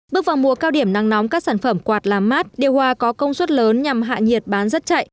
bước vào mùa cao điểm nắng nóng các sản phẩm quạt làm mát điều hòa có công suất lớn nhằm hạ nhiệt bán rất chạy